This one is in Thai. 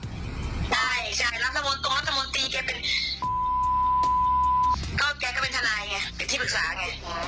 สวัสดีครับทุกคน